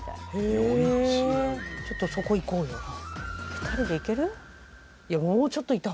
ちょっとそこ行こうよ。